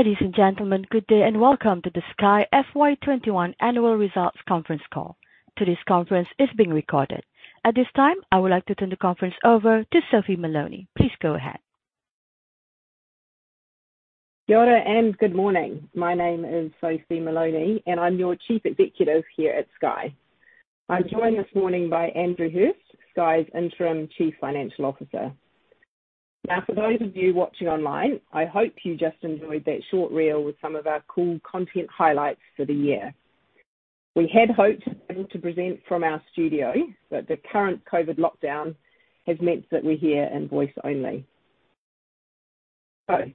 Ladies and gentlemen, good day and welcome to the Sky FY21 Annual Results Conference Call. Today's conference is being recorded. At this time, I would like to turn the conference over to Sophie Moloney. Please go ahead. Kia ora and good morning. My name is Sophie Moloney, I'm your CEO here at Sky. I'm joined this morning by Andrew Hirst, Sky's Interim CFO. For those of you watching online, I hope you just enjoyed that short reel with some of our cool content highlights for the year. We had hoped to be able to present from our studio, the current COVID lockdown has meant that we're here in voice only.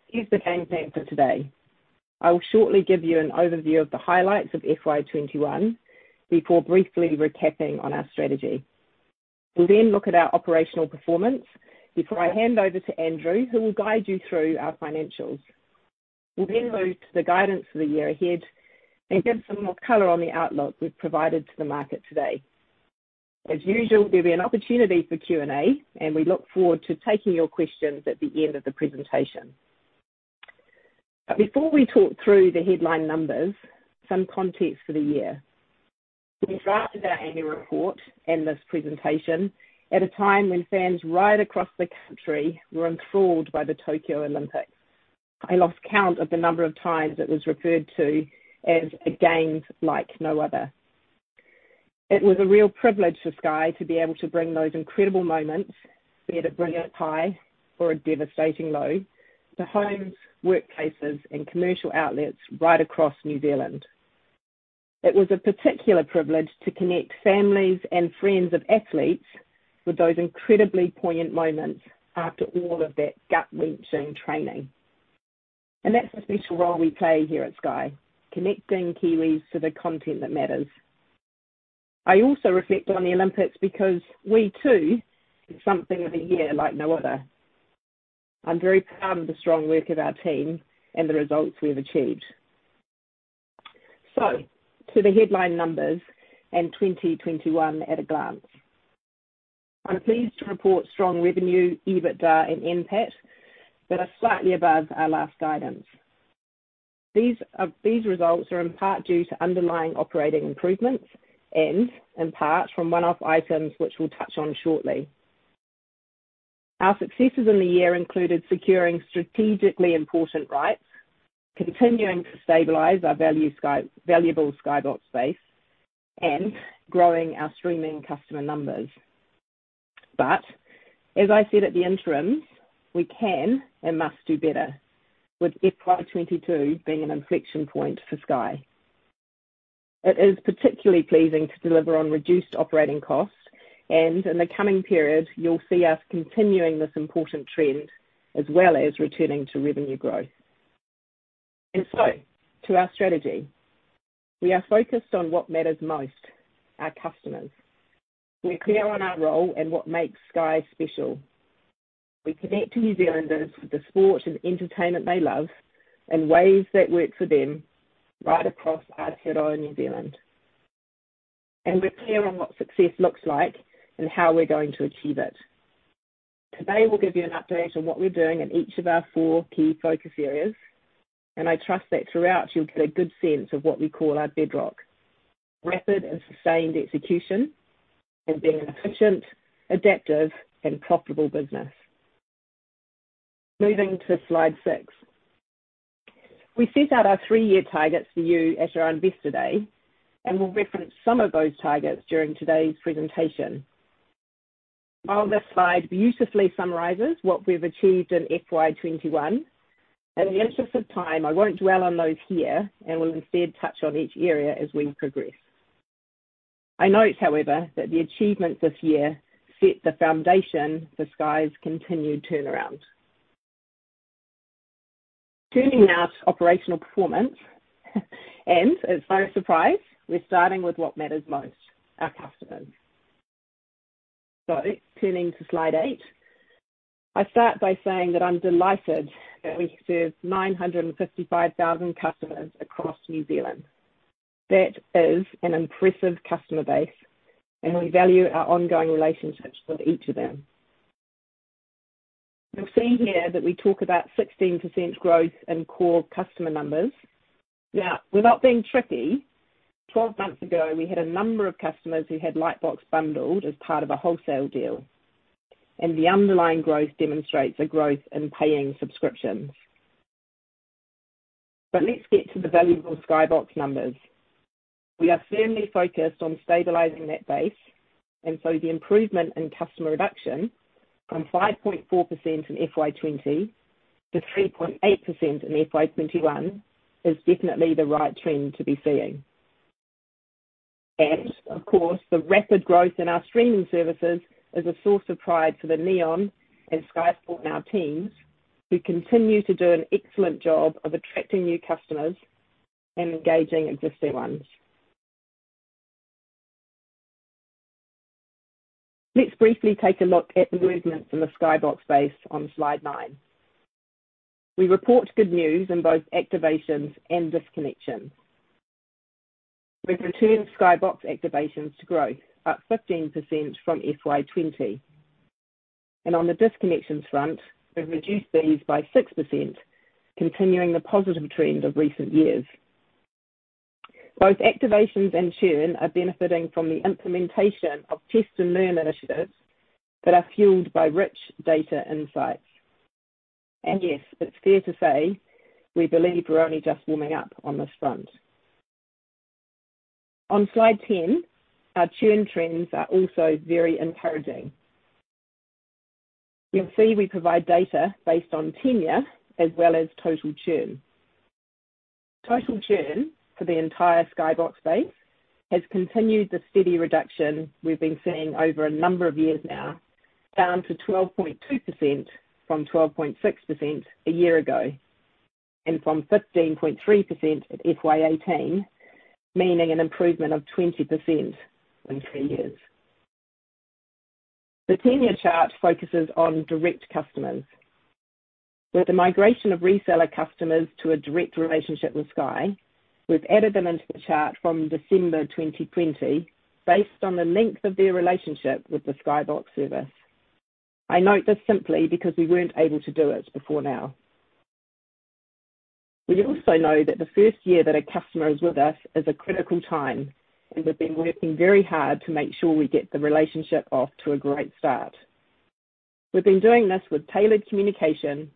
Here's the game plan for today. I will shortly give you an overview of the highlights of FY 2021 before briefly recapping on our strategy. We'll look at our operational performance before I hand over to Andrew, who will guide you through our financials. We'll move to the guidance for the year ahead and give some more color on the outlook we've provided to the market today. As usual, there'll be an opportunity for Q&A. We look forward to taking your questions at the end of the presentation. Before we talk through the headline numbers, some context for the year. We drafted our annual report and this presentation at a time when fans right across the country were enthralled by the Tokyo Olympics. I lost count of the number of times it was referred to as a games like no other. It was a real privilege for Sky to be able to bring those incredible moments, be it a brilliant high or a devastating low, to homes, workplaces, and commercial outlets right across New Zealand. It was a particular privilege to connect families and friends of athletes with those incredibly poignant moments after all of that gut-wrenching training. That's the special role we play here at Sky, connecting Kiwis to the content that matters. I also reflect on the Olympics because we, too, had something of a year like no other. I'm very proud of the strong work of our team and the results we have achieved. To the headline numbers and 2021 at a glance. I'm pleased to report strong revenue, EBITDA, and NPAT that are slightly above our last guidance. These results are in part due to underlying operating improvements and in part from one-off items which we'll touch on shortly. Our successes in the year included securing strategically important rights, continuing to stabilize our valuable Sky Box space, and growing our streaming customer numbers. As I said at the interim, we can and must do better with FY 2022 being an inflection point for Sky. It is particularly pleasing to deliver on reduced operating costs, and in the coming period, you'll see us continuing this important trend, as well as returning to revenue growth. To our strategy. We are focused on what matters most, our customers. We're clear on our role and what makes Sky special. We connect to New Zealanders with the sport and entertainment they love in ways that work for them right across Aotearoa New Zealand. We're clear on what success looks like and how we're going to achieve it. Today, we'll give you an update on what we're doing in each of our four key focus areas, and I trust that throughout, you'll get a good sense of what we call our bedrock, rapid and sustained execution and being an efficient, adaptive, and profitable business. Moving to slide six. We set out our three-year targets for you at our Investor Day. We'll reference some of those targets during today's presentation. While this slide beautifully summarizes what we've achieved in FY21, in the interest of time, I won't dwell on those here and will instead touch on each area as we progress. I note, however, that the achievements this year set the foundation for Sky's continued turnaround. Turning now to operational performance, it's no surprise we're starting with what matters most, our customers. Turning to slide eight, I start by saying that I'm delighted that we serve 955,000 customers across New Zealand. That is an impressive customer base. We value our ongoing relationships with each of them. You'll see here that we talk about 16% growth in core customer numbers. Without being tricky, 12 months ago, we had a number of customers who had Lightbox bundled as part of a wholesale deal, and the underlying growth demonstrates a growth in paying subscriptions. Let's get to the valuable Sky Box numbers. We are firmly focused on stabilizing that base, and so the improvement in customer reduction from 5.4% in FY20 to 3.8% in FY21 is definitely the right trend to be seeing. Of course, the rapid growth in our streaming services is a source of pride for the Neon and Sky Sport Now teams who continue to do an excellent job of attracting new customers and engaging existing ones. Let's briefly take a look at the movement in the Sky Box base on slide nine. We report good news in both activations and disconnections. We've returned Sky Box activations to growth, up 15% from FY20. On the disconnections front, we've reduced these by six percent, continuing the positive trend of recent years. Both activations and churn are benefiting from the implementation of test and learn initiatives that are fueled by rich data insights. Yes, it's fair to say, we believe we're only just warming up on this front. On slide 10, our churn trends are also very encouraging. You'll see we provide data based on tenure as well as total churn. Total churn for the entire Sky Box base has continued the steady reduction we've been seeing over a number of years now, down to 12.2% from 12.6% a year ago, and from 15.3% at FY18, meaning an improvement of 20% in three years. The tenure chart focuses on direct customers. With the migration of reseller customers to a direct relationship with Sky, we've added them into the chart from December 2020 based on the length of their relationship with the Sky Box service. I note this simply because we weren't able to do it before now. We also know that the first year that a customer is with us is a critical time, and we've been working very hard to make sure we get the relationship off to a great start. We've been doing this with tailored communication,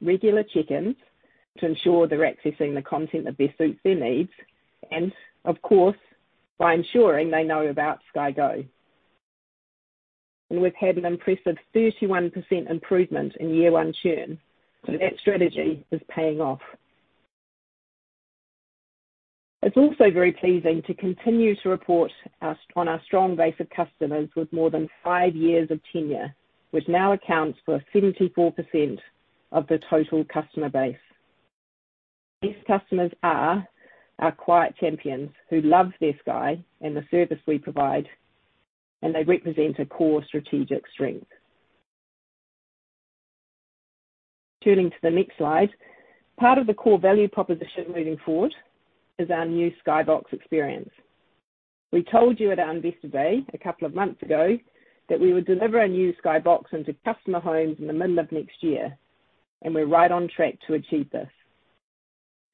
regular check-ins to ensure they're accessing the content that best suits their needs, and of course, by ensuring they know about Sky Go. We've had an impressive 31% improvement in year-one churn, so that strategy is paying off. It's also very pleasing to continue to report on our strong base of customers with more than 5 years of tenure, which now accounts for 74% of the total customer base. These customers are our quiet champions who love their Sky and the service we provide, and they represent a core strategic strength. Turning to the next slide. Part of the core value proposition moving forward is our new Sky Box experience. We told you at our Investor Day a couple of months ago that we would deliver a new Sky Box into customer homes in the middle of next year, and we're right on track to achieve this.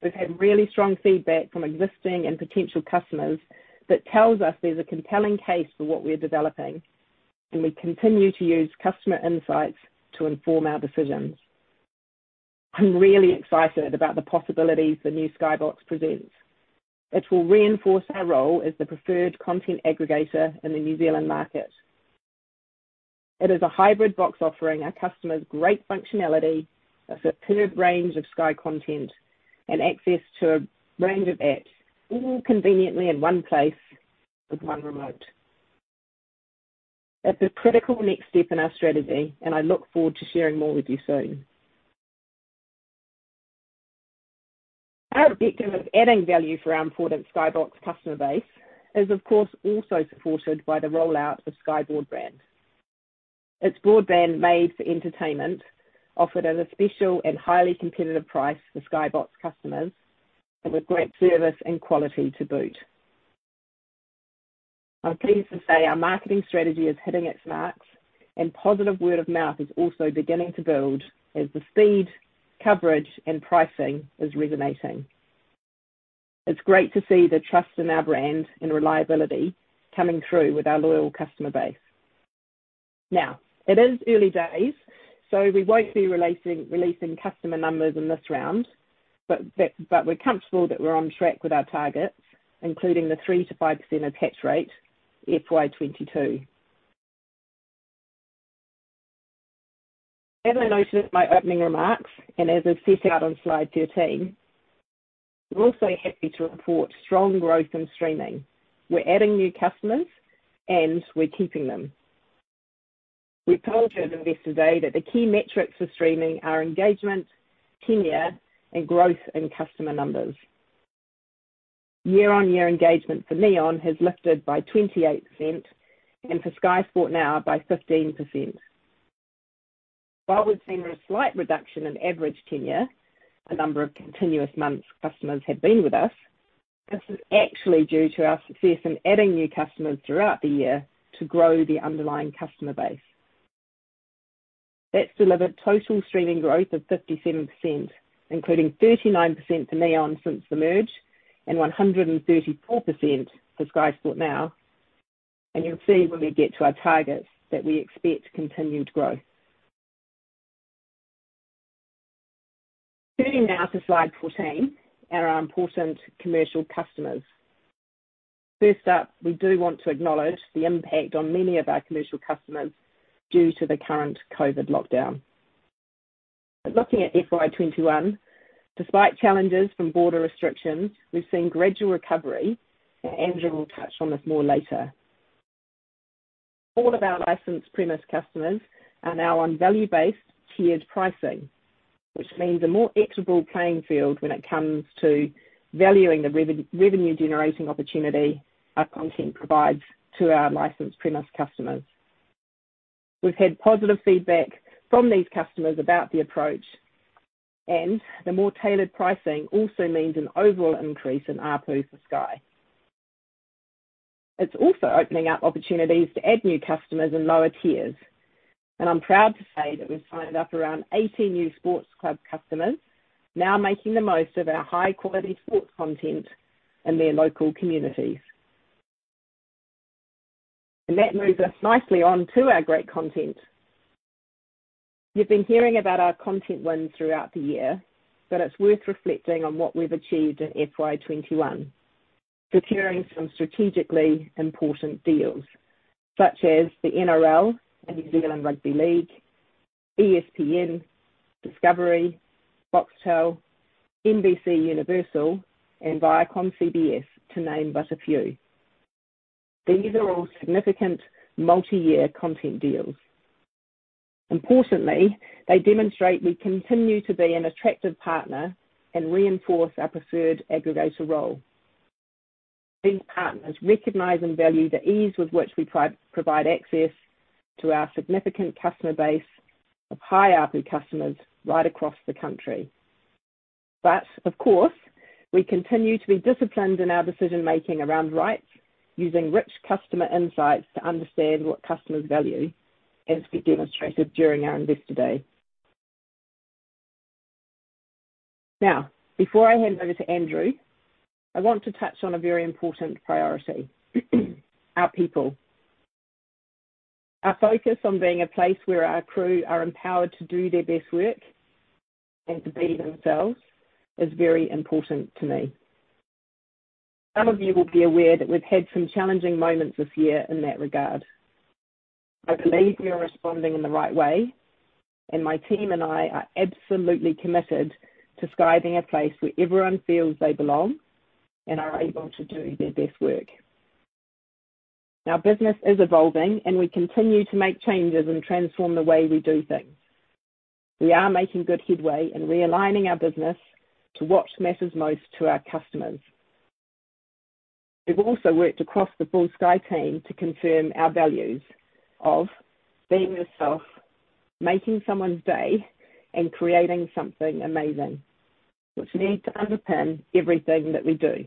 We've had really strong feedback from existing and potential customers that tells us there's a compelling case for what we're developing, and we continue to use customer insights to inform our decisions. I'm really excited about the possibilities the new Sky Box presents. It will reinforce our role as the preferred content aggregator in the New Zealand market. It is a hybrid box offering our customers great functionality, a superb range of Sky content, and access to a range of apps all conveniently in one place with one remote. It's a critical next step in our strategy, and I look forward to sharing more with you soon. Our objective of adding value for our important Sky Box customer base is, of course, also supported by the rollout of Sky Broadband. It's broadband made for entertainment, offered at a special and highly competitive price for Sky Box customers with great service and quality to boot. I'm pleased to say our marketing strategy is hitting its marks and positive word of mouth is also beginning to build as the speed, coverage, and pricing is resonating. It's great to see the trust in our brand and reliability coming through with our loyal customer base. It is early days, so we won't be releasing customer numbers in this round. We're comfortable that we're on track with our targets, including the 3%-5% attach rate FY 2022. As I noted in my opening remarks, and as is set out on slide 13, we're also happy to report strong growth in streaming. We're adding new customers, and we're keeping them. We told you at Investor Day that the key metrics for streaming are engagement, tenure, and growth in customer numbers. Year-over-year engagement for Neon has lifted by 28%, and for Sky Sport Now by 15%. While we've seen a slight reduction in average tenure, the number of continuous months customers have been with us, this is actually due to our success in adding new customers throughout the year to grow the underlying customer base. That's delivered total streaming growth of 57%, including 39% for Neon since the merge, and 134% for Sky Sport Now. You'll see when we get to our targets that we expect continued growth. Turning now to slide 14 and our important commercial customers. First up, we do want to acknowledge the impact on many of our commercial customers due to the current COVID lockdown. Looking at FY 2021, despite challenges from border restrictions, we've seen gradual recovery, and Andrew will touch on this more later. All of our licensed premise customers are now on value-based tiered pricing, which means a more equitable playing field when it comes to valuing the revenue-generating opportunity our content provides to our licensed premise customers. We've had positive feedback from these customers about the approach, and the more tailored pricing also means an overall increase in ARPU for Sky. It's also opening up opportunities to add new customers in lower tiers. I'm proud to say that we've signed up around 80 new sports club customers now making the most of our high-quality sports content in their local communities. That moves us nicely on to our great content. You've been hearing about our content wins throughout the year. It's worth reflecting on what we've achieved in FY21, securing some strategically important deals, such as the NRL, the New Zealand Rugby League, ESPN, Discovery, Foxtel, NBCUniversal, and ViacomCBS, to name but a few. These are all significant multi-year content deals. Importantly, they demonstrate we continue to be an attractive partner and reinforce our preferred aggregator role. These partners recognize and value the ease with which we provide access to our significant customer base of high ARPU customers right across the country. Of course, we continue to be disciplined in our decision-making around rights, using rich customer insights to understand what customers value, as we demonstrated during our investor day. Before I hand over to Andrew, I want to touch on a very important priority, our people. Our focus on being a place where our crew are empowered to do their best work and to be themselves is very important to me. Some of you will be aware that we've had some challenging moments this year in that regard. I believe we are responding in the right way, and my team and I are absolutely committed to Sky being a place where everyone feels they belong and are able to do their best work. Our business is evolving, and we continue to make changes and transform the way we do things. We are making good headway in realigning our business to what matters most to our customers. We've also worked across the full Sky team to confirm our values of being yourself, making someone's day, and creating something amazing, which need to underpin everything that we do.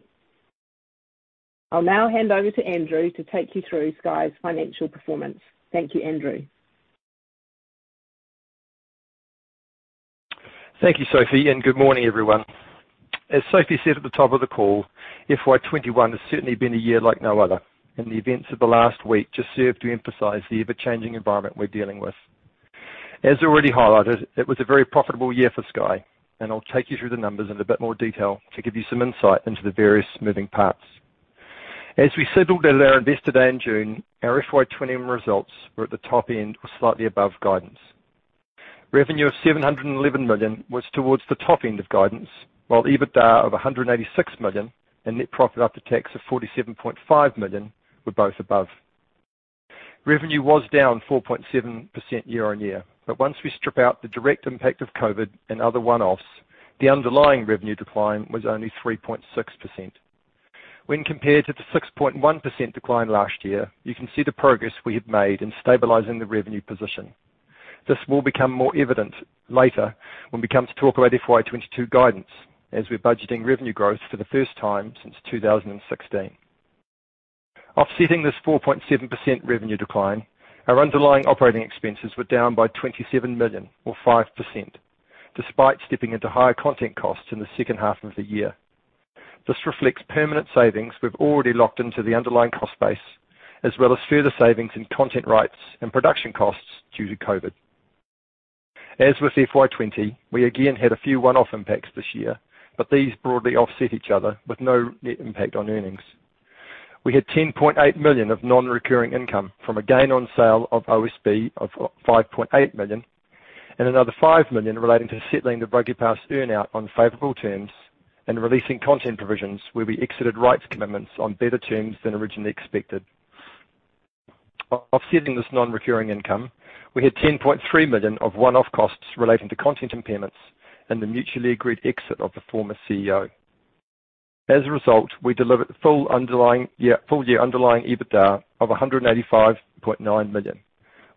I'll now hand over to Andrew to take you through Sky's financial performance. Thank you, Andrew. Thank you, Sophie, and good morning, everyone. As Sophie said at the top of the call, FY21 has certainly been a year like no other, and the events of the last week just serve to emphasize the ever-changing environment we're dealing with. As already highlighted, it was a very profitable year for Sky, and I'll take you through the numbers in a bit more detail to give you some insight into the various moving parts. As we signaled at our investor day in June, our FY21 results were at the top end or slightly above guidance. Revenue of 711 million was towards the top end of guidance, while EBITDA of 186 million and net profit after tax of 47.5 million were both above. Revenue was down 4.7% year-on-year. Once we strip out the direct impact of COVID and other one-offs, the underlying revenue decline was only 3.6%. When compared to the 6.1% decline last year, you can see the progress we have made in stabilizing the revenue position. This will become more evident later when we come to talk about FY 2022 guidance, as we're budgeting revenue growth for the first time since 2016. Offsetting this 4.7% revenue decline, our underlying operating expenses were down by 27 million or five percent, despite stepping into higher content costs in the second half of the year. This reflects permanent savings we've already locked into the underlying cost base, as well as further savings in content rights and production costs due to COVID. As with FY20, we again had a few one-off impacts this year, but these broadly offset each other with no net impact on earnings. We had 10.8 million of non-recurring income from a gain on sale of OSB of 5.8 million and another 5 million relating to settling the RugbyPass earn-out on favorable terms and releasing content provisions where we exited rights commitments on better terms than originally expected. Offsetting this non-recurring income, we had 10.3 million of one-off costs relating to content impairments and the mutually agreed exit of the former CEO. As a result, we delivered full year underlying EBITDA of 185.9 million,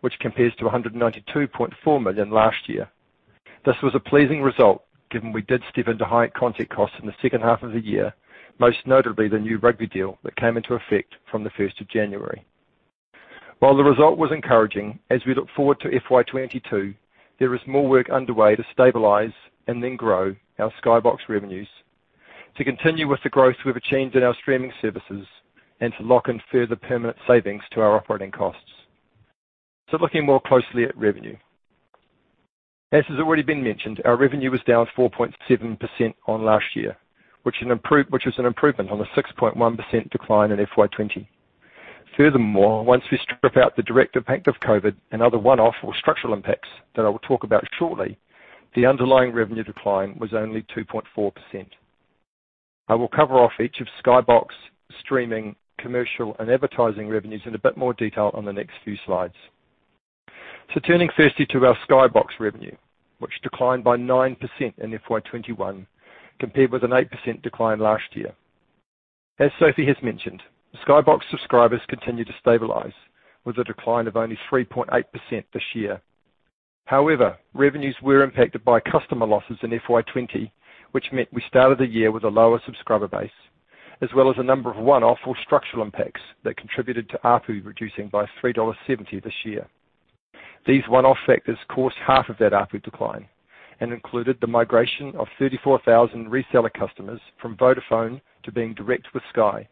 which compares to 192.4 million last year. This was a pleasing result given we did step into higher content costs in the second half of the year, most notably the new rugby deal that came into effect from the 1st of January. While the result was encouraging, as we look forward to FY22, there is more work underway to stabilize and then grow our Sky Box revenues to continue with the growth we've achieved in our streaming services and to lock in further permanent savings to our operating costs. Looking more closely at revenue. As has already been mentioned, our revenue was down 4.7% on last year, which is an improvement on the 6.1% decline in FY20. Once we strip out the direct impact of COVID and other one-off or structural impacts that I will talk about shortly, the underlying revenue decline was only 2.4%. I will cover off each of Sky Box streaming, commercial, and advertising revenues in a bit more detail on the next few slides. Turning firstly to our Sky Box revenue, which declined by nine percent in FY21, compared with an eight percent decline last year. As Sophie has mentioned, Sky Box subscribers continue to stabilize, with a decline of only 3.8% this year. Revenues were impacted by customer losses in FY20, which meant we started the year with a lower subscriber base, as well as a number of one-off or structural impacts that contributed to ARPU reducing by 3.70 dollars this year. These one-off factors caused half of that ARPU decline and included the migration of 34,000 reseller customers from Vodafone to being direct with Sky,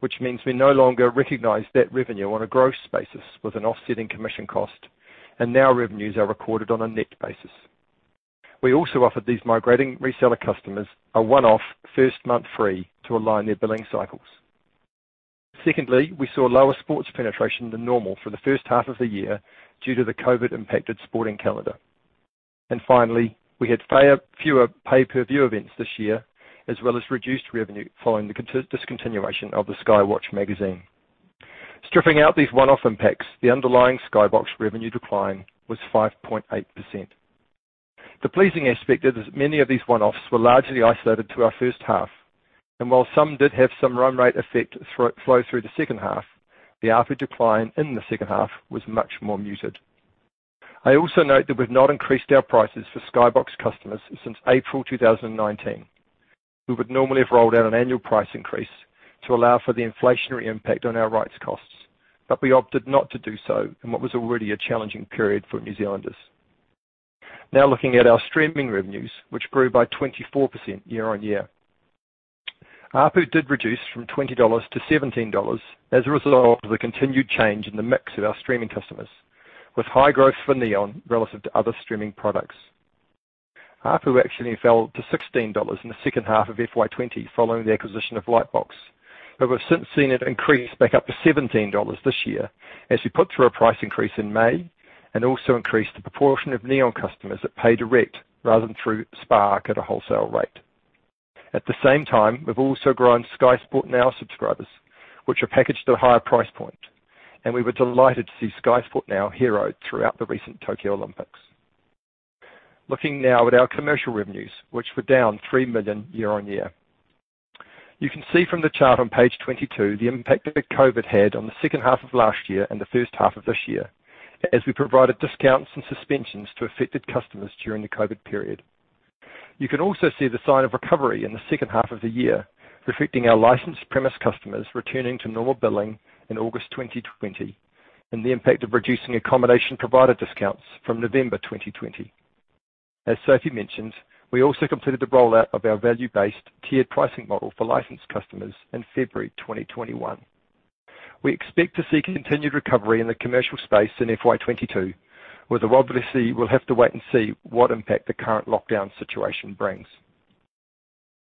which means we no longer recognize that revenue on a gross basis with an offsetting commission cost, and now revenues are recorded on a net basis. We also offered these migrating reseller customers a one-off first month free to align their billing cycles. Secondly, we saw lower sports penetration than normal for the first half of the year due to the COVID-impacted sporting calendar. Finally, we had fewer pay-per-view events this year, as well as reduced revenue following the discontinuation of the Skywatch magazine. Stripping out these one-off impacts, the underlying Sky Box revenue decline was 5.8%. The pleasing aspect is many of these one-offs were largely isolated to our first half. While some did have some run rate effect flow through the second half, the ARPU decline in the second half was much more muted. I also note that we've not increased our prices for Sky Box customers since April 2019. We would normally have rolled out an annual price increase to allow for the inflationary impact on our rights costs. We opted not to do so in what was already a challenging period for New Zealanders. Looking at our streaming revenues, which grew by 24% year-on-year. ARPU did reduce from 20 dollars to 17 dollars as a result of the continued change in the mix of our streaming customers, with high growth for Neon relative to other streaming products. ARPU actually fell to 16 dollars in the second half of FY20 following the acquisition of Lightbox. We've since seen it increase back up to 17 dollars this year, as we put through a price increase in May, and also increased the proportion of Neon customers that pay direct rather than through Spark at a wholesale rate. At the same time, we've also grown Sky Sport Now subscribers, which are packaged at a higher price point, and we were delighted to see Sky Sport Now hero'd throughout the recent Tokyo Olympics. Looking now at our commercial revenues, which were down 3 million year on year. You can see from the chart on page 22 the impact that COVID had on the second half of last year and the first half of this year, as we provided discounts and suspensions to affected customers during the COVID period. You can also see the sign of recovery in the second half of the year, reflecting our licensed premise customers returning to normal billing in August 2020, and the impact of reducing accommodation provider discounts from November 2020. As Sophie mentioned, we also completed the rollout of our value-based tiered pricing model for licensed customers in February 2021. We expect to see continued recovery in the commercial space in FY22, with obviously we'll have to wait and see what impact the current lockdown situation brings.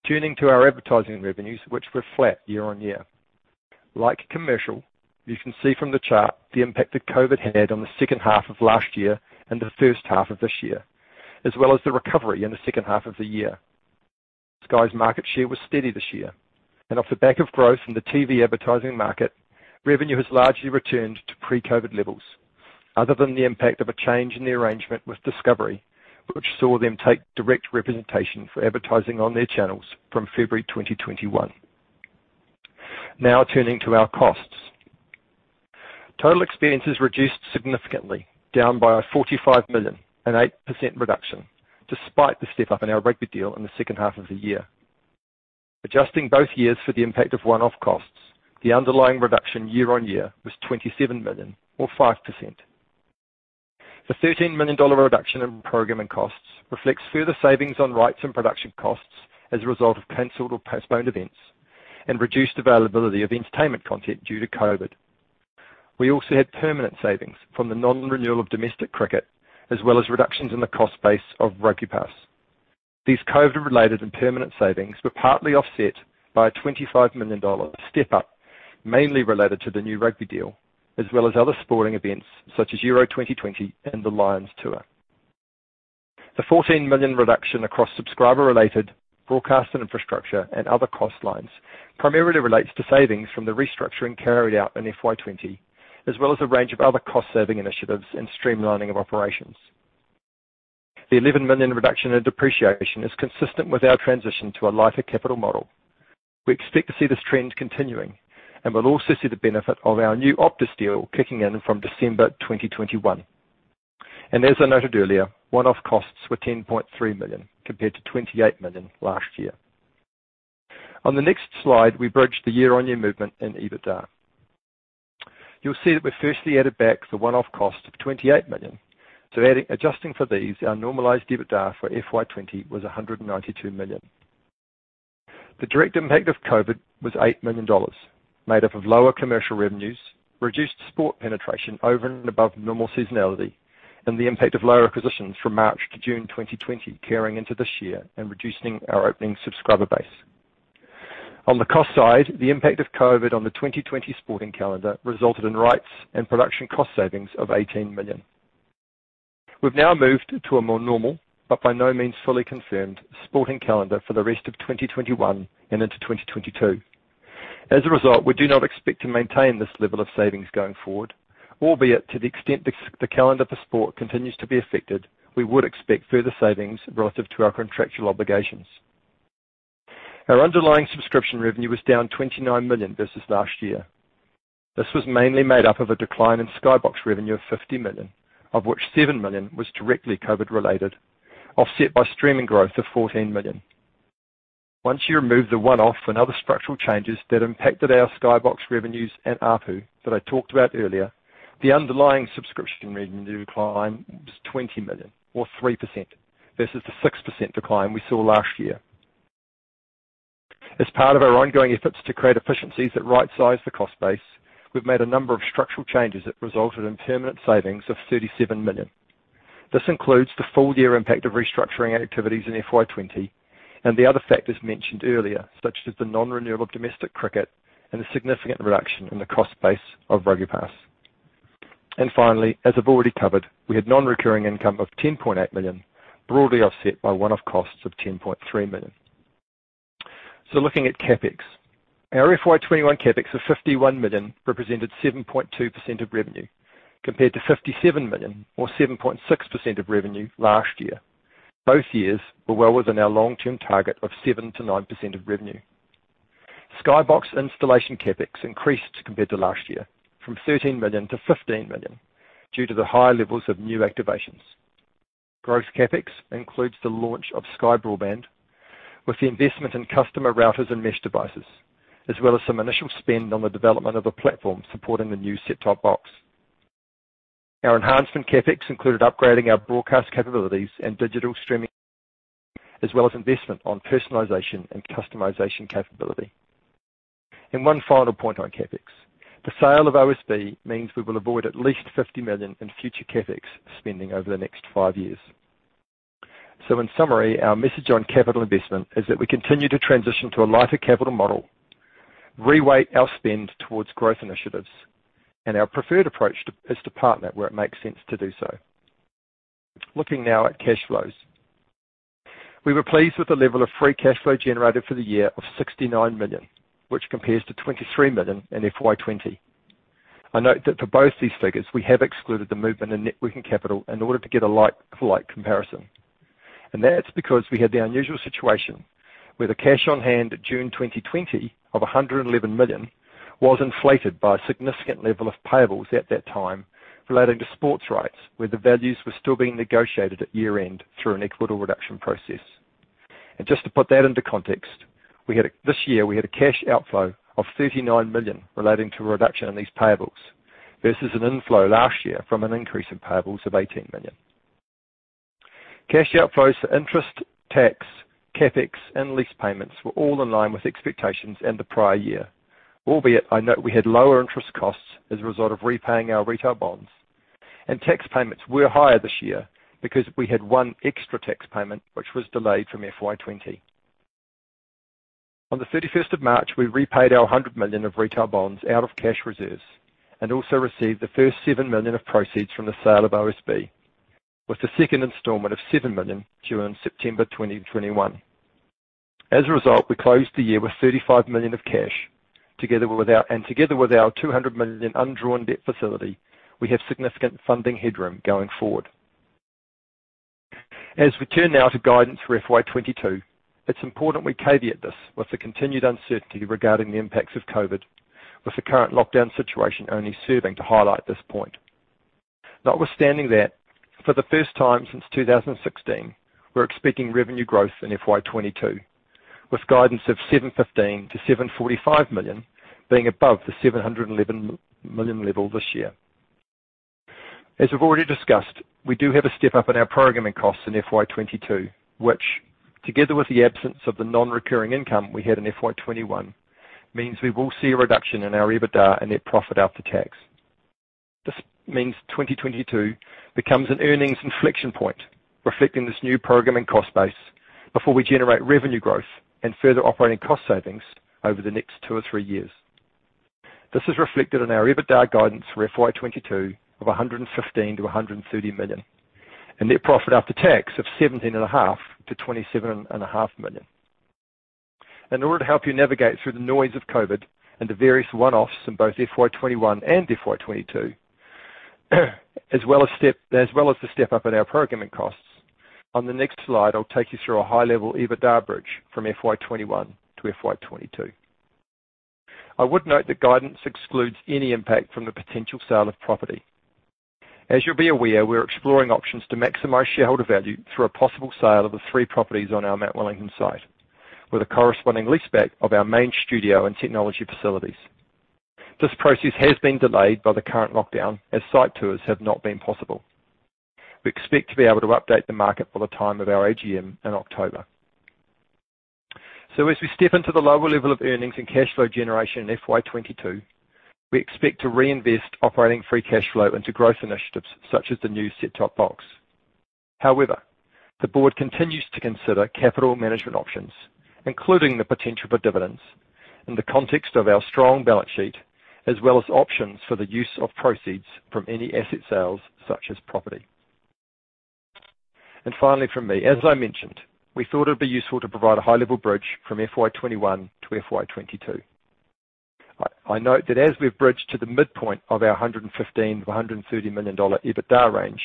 Turning to our advertising revenues, which were flat year-on-year. Like commercial, you can see from the chart the impact that COVID had on the first half of last year and the first half of this year, as well as the recovery in the second half of the year. Sky's market share was steady this year, and off the back of growth in the TV advertising market, revenue has largely returned to pre-COVID levels, other than the impact of a change in the arrangement with Discovery, which saw them take direct representation for advertising on their channels from February 2021. Turning to our costs. Total expenses reduced significantly, down by 45 million, an 8% reduction, despite the step-up in our rugby deal in the second half of the year. Adjusting both years for the impact of one-off costs, the underlying reduction year-on-year was 27 million, or five percent. The 13 million dollar reduction in programming costs reflects further savings on rights and production costs as a result of canceled or postponed events and reduced availability of entertainment content due to COVID. We also had permanent savings from the non-renewal of domestic cricket, as well as reductions in the cost base of RugbyPass. These COVID-related and permanent savings were partly offset by a 25 million dollar step-up, mainly related to the new rugby deal, as well as other sporting events such as Euro 2020 and the Lions tour. The 14 million reduction across subscriber-related broadcast and infrastructure and other cost lines primarily relates to savings from the restructuring carried out in FY 2020, as well as a range of other cost-saving initiatives and streamlining of operations. The 11 million reduction in depreciation is consistent with our transition to a lighter capital model. We expect to see this trend continuing, and we will also see the benefit of our new Optus deal kicking in from December 2021. As I noted earlier, one-off costs were 10.3 million compared to 28 million last year. On the next slide, we bridge the year-on-year movement in EBITDA. You'll see that we've firstly added back the one-off cost of 28 million, so adjusting for these, our normalized EBITDA for FY 2020 was 192 million. The direct impact of COVID was 8 million dollars, made up of lower commercial revenues, reduced sport penetration over and above normal seasonality, and the impact of lower acquisitions from March to June 2020 carrying into this year and reducing our opening subscriber base. On the cost side, the impact of COVID on the 2020 sporting calendar resulted in rights and production cost savings of 18 million. We've now moved to a more normal, but by no means fully confirmed, sporting calendar for the rest of 2021 and into 2022. To the extent the calendar for sport continues to be affected, we would expect further savings relative to our contractual obligations. Our underlying subscription revenue was down 29 million versus last year. This was mainly made up of a decline in Sky Box revenue of 50 million, of which 7 million was directly COVID related, offset by streaming growth of 14 million. Once you remove the one-off and other structural changes that impacted our Sky Box revenues and ARPU that I talked about earlier, the underlying subscription revenue decline was 20 million or three percent, versus the six percent decline we saw last year. As part of our ongoing efforts to create efficiencies that right-size the cost base, we've made a number of structural changes that resulted in permanent savings of 37 million. This includes the full year impact of restructuring activities in FY20, and the other factors mentioned earlier, such as the non-renewable domestic cricket and the significant reduction in the cost base of RugbyPass. Finally, as I've already covered, we had non-recurring income of 10.8 million, broadly offset by one-off costs of 10.3 million. Looking at CapEx. Our FY21 CapEx of 51 million represented 7.2% of revenue, compared to 57 million or 7.6% of revenue last year. Both years were well within our long-term target of seven-nine percent of revenue. Sky Box installation CapEx increased compared to last year, from 13 million to 15 million, due to the high levels of new activations. Gross CapEx includes the launch of Sky Broadband with the investment in customer routers and mesh devices, as well as some initial spend on the development of a platform supporting the new set-top box. Our enhancement CapEx included upgrading our broadcast capabilities and digital streaming, as well as investment on personalization and customization capability. One final point on CapEx. The sale of OSB means we will avoid at least 50 million in future CapEx spending over the next five years. In summary, our message on capital investment is that we continue to transition to a lighter capital model, re-weight our spend towards growth initiatives, and our preferred approach is to partner where it makes sense to do so. Looking now at cash flows. We were pleased with the level of free cash flow generated for the year of 69 million, which compares to 23 million in FY20. I note that for both these figures, we have excluded the movement in net working capital in order to get a like-for-like comparison. That's because we had the unusual situation where the cash on hand at June 2020 of 111 million was inflated by a significant level of payables at that time relating to sports rights, where the values were still being negotiated at year-end through an equitable reduction process. Just to put that into context, this year we had a cash outflow of 39 million relating to a reduction in these payables versus an inflow last year from an increase in payables of 18 million. Cash outflows for interest, tax, CapEx, and lease payments were all in line with expectations in the prior year. Albeit, I note we had lower interest costs as a result of repaying our retail bonds, and tax payments were higher this year because we had one extra tax payment, which was delayed from FY 2020. On the 31st of March, we repaid our 100 million of retail bonds out of cash reserves and also received the first 7 million of proceeds from the sale of OSB, with the second installment of 7 million during September 2021. As a result, we closed the year with 35 million of cash. Together with our 200 million undrawn debt facility, we have significant funding headroom going forward. As we turn now to guidance for FY 2022, it's important we caveat this with the continued uncertainty regarding the impacts of COVID, with the current lockdown situation only serving to highlight this point. Notwithstanding that, for the first time since 2016, we're expecting revenue growth in FY 2022, with guidance of 715 million-745 million being above the 711 million level this year. As we've already discussed, we do have a step up in our programming costs in FY22, which, together with the absence of the non-recurring income we had in FY21, means we will see a reduction in our EBITDA and net profit after tax. This means 2022 becomes an earnings inflection point, reflecting this new programming cost base before we generate revenue growth and further operating cost savings over the next two or three years. This is reflected in our EBITDA guidance for FY22 of 115 million-130 million, and net profit after tax of 17.5 million-27.5 million. In order to help you navigate through the noise of COVID and the various one-offs in both FY21 and FY22, as well as the step up in our programming costs, on the next slide, I'll take you through a high-level EBITDA bridge from FY21 to FY22. I would note that guidance excludes any impact from the potential sale of property. As you'll be aware, we're exploring options to maximize shareholder value through a possible sale of the three properties on our Mount Wellington site, with a corresponding leaseback of our main studio and technology facilities. This process has been delayed by the current lockdown as site tours have not been possible. We expect to be able to update the market by the time of our AGM in October. As we step into the lower level of earnings and cash flow generation in FY22, we expect to reinvest operating free cash flow into growth initiatives such as the new set-top box. However, the board continues to consider capital management options, including the potential for dividends in the context of our strong balance sheet, as well as options for the use of proceeds from any asset sales such as property. Finally from me, as I mentioned, we thought it'd be useful to provide a high-level bridge from FY21 to FY22. I note that as we've bridged to the midpoint of our 115 million to 130 million dollar EBITDA range,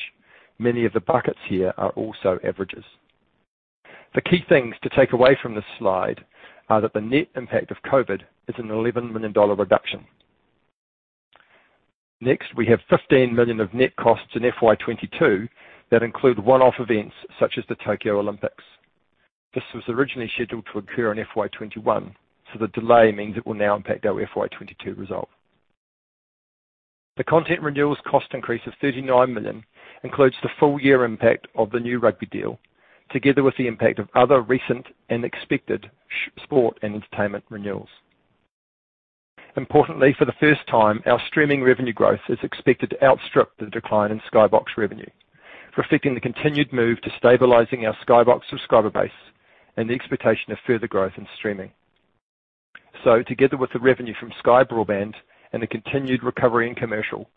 many of the buckets here are also averages. The key things to take away from this slide are that the net impact of COVID is an 11 million dollar reduction. Next, we have 15 million of net costs in FY22 that include one-off events such as the Tokyo Olympics. This was originally scheduled to occur in FY21, so the delay means it will now impact our FY22 result. The content renewals cost increase of 39 million includes the full year impact of the new rugby deal, together with the impact of other recent and expected sport and entertainment renewals. Importantly, for the first time, our streaming revenue growth is expected to outstrip the decline in Sky Box revenue, reflecting the continued move to stabilizing our Sky Box subscriber base and the expectation of further growth in streaming. Together with the revenue from Sky Broadband and the continued recovery in commercial,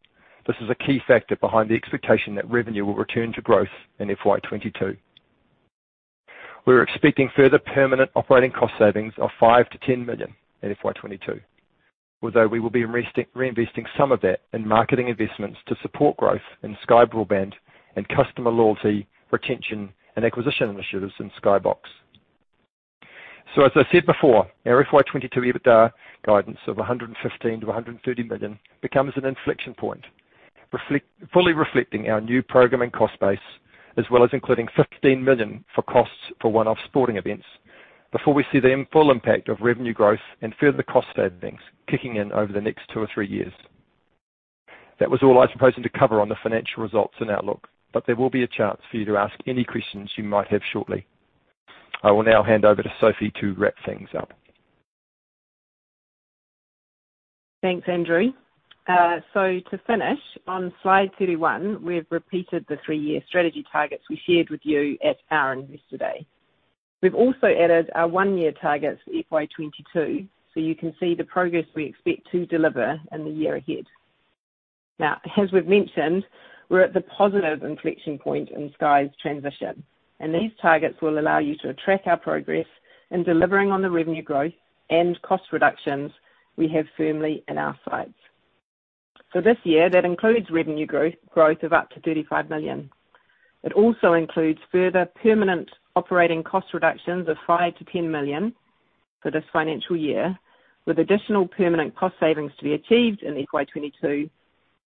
this is a key factor behind the expectation that revenue will return to growth in FY22. We're expecting further permanent operating cost savings of 5 million-10 million in FY22, although we will be reinvesting some of that in marketing investments to support growth in Sky Broadband and customer loyalty, retention, and acquisition initiatives in Sky Box. As I said before, our FY22 EBITDA guidance of 115 million to 130 million becomes an inflection point, fully reflecting our new programming cost base, as well as including 15 million for costs for one-off sporting events. Before we see the full impact of revenue growth and further cost savings kicking in over the next two or three years. That was all I was proposing to cover on the financial results and outlook, but there will be a chance for you to ask any questions you might have shortly. I will now hand over to Sophie to wrap things up. Thanks, Andrew. To finish, on slide 31, we've repeated the three-year strategy targets we shared with you at our investor day. We've also added our one-year targets for FY 2022, so you can see the progress we expect to deliver in the year ahead. As we've mentioned, we're at the positive inflection point in Sky's transition, and these targets will allow you to track our progress in delivering on the revenue growth and cost reductions we have firmly in our sights. For this year, that includes revenue growth of up to 35 million. It also includes further permanent operating cost reductions of 5 million-10 million for this financial year, with additional permanent cost savings to be achieved in FY 2022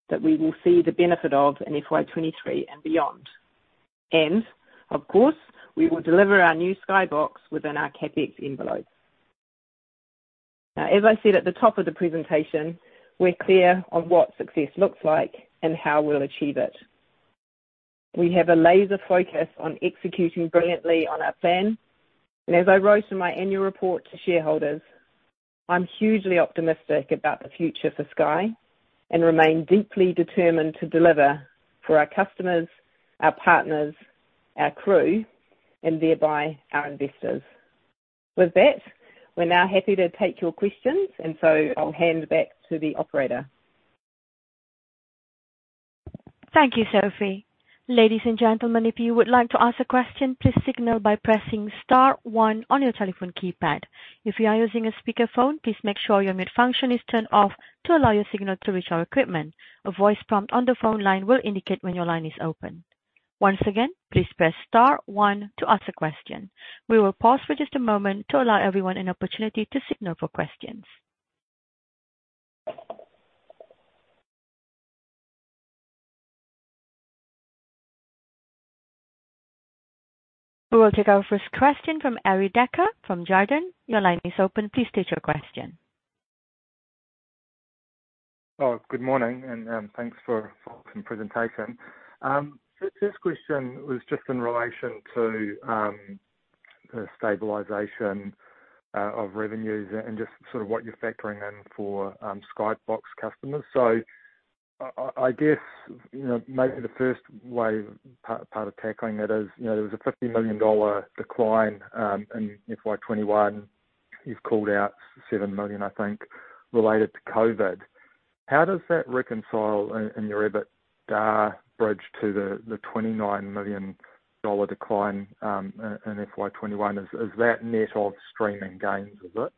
that we will see the benefit of in FY 2023 and beyond. Of course, we will deliver our new Sky Box within our CapEx envelope. As I said at the top of the presentation, we're clear on what success looks like and how we'll achieve it. We have a laser focus on executing brilliantly on our plan, and as I wrote in my annual report to shareholders, I'm hugely optimistic about the future for Sky and remain deeply determined to deliver for our customers, our partners, our crew, and thereby our investors. With that, we're now happy to take your questions. I'll hand back to the operator. Thank you, Sophie. Ladies and gentlemen, if you would like to ask a question, please signal by pressing star one on your telephone keypad. If you are using a speakerphone, please make sure your mute function is turned off to allow your signal to reach our equipment. A voice prompt on the phone line will indicate when your line is open. Once again, please press star one to ask a question. We will pause for just a moment to allow everyone an opportunity to signal for questions. We will take our first question from Arie Dekker from Jarden. Your line is open. Please state your question. Good morning, thanks for the presentation. The first question was just in relation to the stabilization of revenues and just sort of what you're factoring in for Sky Box customers. I guess maybe the first way, part of tackling it is, there was a 50 million dollar decline in FY 2021. You've called out 7 million, I think, related to COVID. How does that reconcile in your EBITDA bridge to the 29 million dollar decline in FY 2021? Is that net of streaming gains, is it?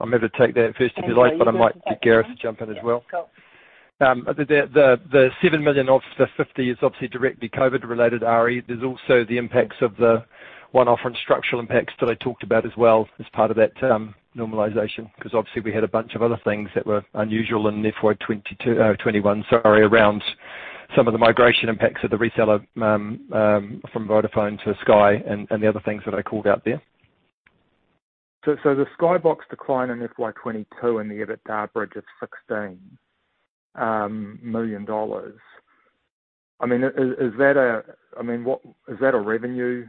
I'm happy to take that first, if you like. Andrew, you want to take that? I might get Gareth to jump in as well. Yeah. Go on. The 7 million of the 50 is obviously directly COVID related, Arie. There's also the impacts of the one-off and structural impacts that I talked about as well as part of that normalization, because obviously we had a bunch of other things that were unusual in FY 2022, FY 2021, sorry, around some of the migration impacts of the reseller from Vodafone to Sky and the other things that I called out there. The Sky Box decline in FY 2022 in the EBITDA bridge is 16 million dollars. Is that a revenue,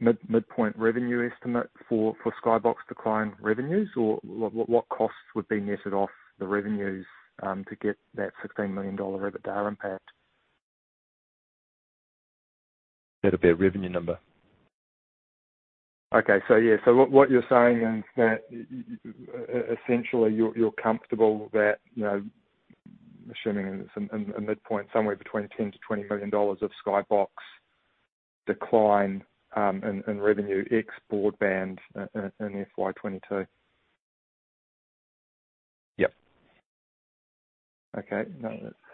midpoint revenue estimate for Sky Box decline revenues? What costs would be netted off the revenues to get that 16 million dollar EBITDA impact? That'd be a revenue number. Okay. Yeah. What you're saying is that, essentially, you're comfortable that, assuming it's a midpoint, somewhere between 10 million-20 million dollars of Sky Box decline in revenue ex broadband in FY 2022? Yep. Okay.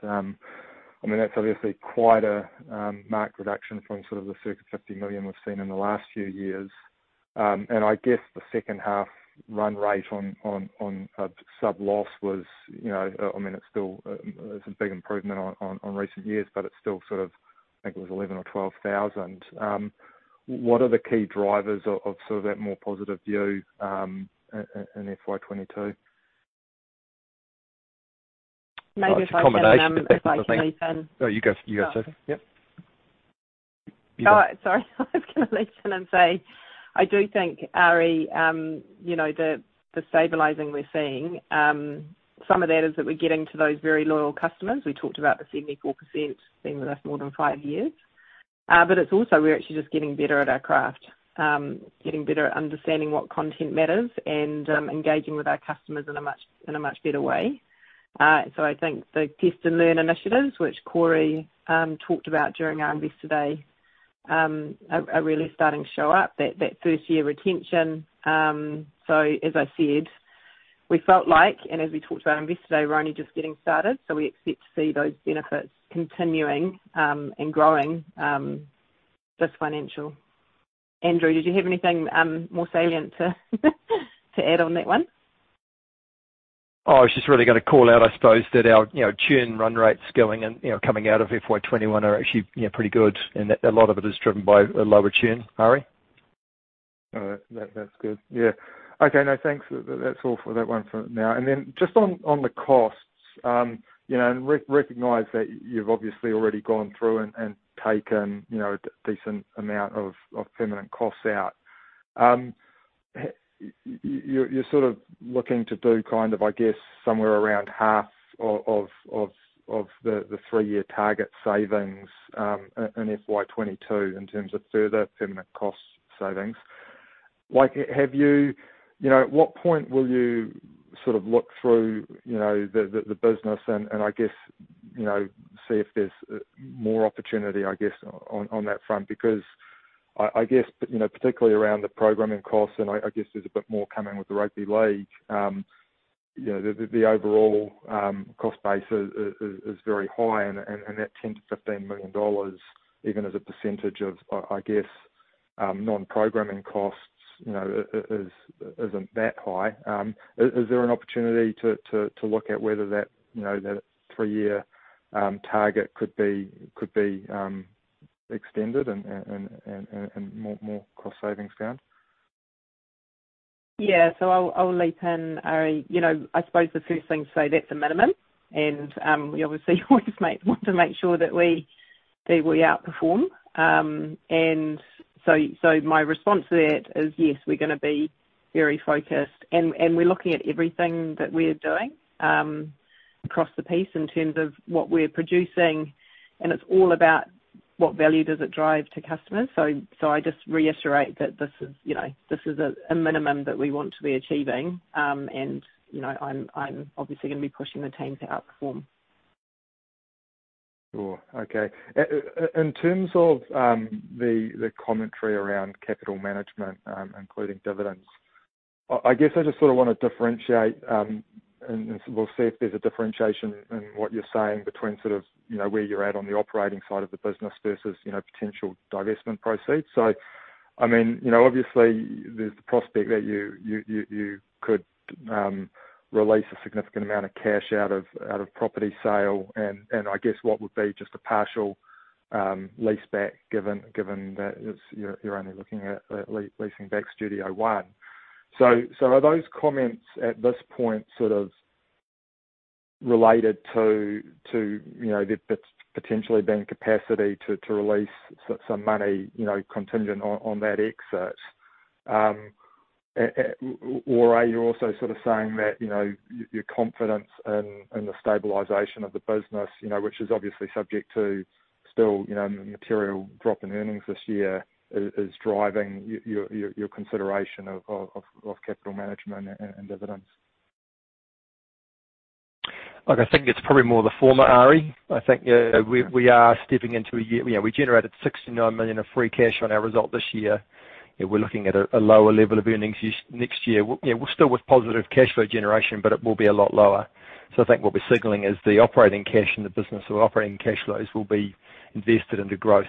That's obviously quite a marked reduction from sort of the circa 50 million we've seen in the last few years. I guess the second half run rate on sub loss was, it's a big improvement on recent years, but it's still sort of, I think it was 11,000 or 12,000. What are the key drivers of sort of that more positive view in FY22? It's a combination of different things. Maybe if I can leap in. No, you go, Sophie. Yep. You go. Sorry. I was going to leap in and say, I do think, Arie, the stabilizing we're seeing, some of that is that we're getting to those very loyal customers. We talked about the 74% staying with us more than five years. It's also we're actually just getting better at our craft. Getting better at understanding what content matters and engaging with our customers in a much better way. I think the test and learn initiatives, which Corey talked about during our Investor Day, are really starting to show up, that 1st-year retention. As I said, we felt like, and as we talked to our Investor Day, we're only just getting started. We expect to see those benefits continuing and growing this financial. Andrew, did you have anything more salient to add on that one? I was just really going to call out, I suppose, that our churn run rates going and coming out of FY 2021 are actually pretty good, and a lot of it is driven by lower churn. Arie? All right. That's good. Yeah. Okay, no, thanks. That's all for that one for now. Then just on the costs, recognize that you've obviously already gone through and taken a decent amount of permanent costs out. You're sort of looking to do kind of, I guess, somewhere around half of the three-year target savings in FY22 in terms of further permanent cost savings. At what point will you sort of look through the business and, I guess, see if there's more opportunity, I guess, on that front? Because I guess, particularly around the programming costs, and I guess there's a bit more coming with the Rugby League. The overall cost base is very high, and that 10 million-15 million dollars, even as a percentage of, I guess, non-programming costs, isn't that high. Is there an opportunity to look at whether that three-year target could be extended and more cost savings found? Yeah. I'll leap in, Arie. I suppose the first thing to say, that's a minimum, and we obviously always want to make sure that we outperform. My response to that is, yes, we're going to be very focused. We're looking at everything that we're doing across the piece in terms of what we're producing, and it's all about what value does it drive to customers. I just reiterate that this is a minimum that we want to be achieving, and I'm obviously going to be pushing the team to outperform. Sure. Okay. In terms of the commentary around capital management, including dividends, I just want to differentiate, and we'll see if there's a differentiation in what you're saying between where you're at on the operating side of the business versus potential divestment proceeds. Obviously, there's the prospect that you could release a significant amount of cash out of property sale and what would be just a partial leaseback, given that you're only looking at leasing back Studio One. Are those comments at this point related to there potentially being capacity to release some money contingent on that exit? Or are you also saying that your confidence in the stabilization of the business, which is obviously subject to still a material drop in earnings this year, is driving your consideration of capital management and dividends? I think it's probably more of the former, Arie. We generated 69 million of free cash on our result this year. We're looking at a lower level of earnings next year. Still with positive cash flow generation, it will be a lot lower. I think what we're signaling is the operating cash in the business or operating cash flows will be invested into growth.